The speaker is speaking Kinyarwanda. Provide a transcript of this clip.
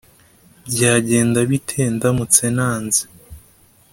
Byagenda bite ndamutse nanze